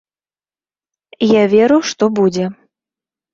Я веру, што будзе.